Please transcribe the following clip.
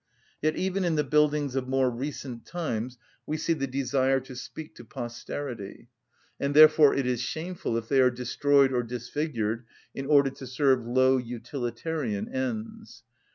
Yet even in the buildings of more recent times we see the desire to speak to posterity; and, therefore, it is shameful if they are destroyed or disfigured in order to serve low utilitarian ends.